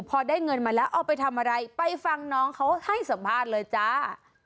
พอได้เงินมาแล้วเอาไปทำอะไรไปฟังน้องเขาให้สัมภาษณ์เลยจ้า